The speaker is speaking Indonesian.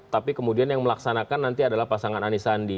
tapi kemudian yang melaksanakan nanti adalah pasangan anisandi